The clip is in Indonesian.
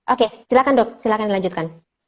oke silahkan dok silahkan dilanjutkan